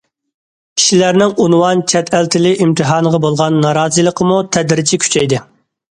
كىشىلەرنىڭ ئۇنۋان چەت ئەل تىلى ئىمتىھانىغا بولغان نارازىلىقىمۇ تەدرىجىي كۈچەيدى.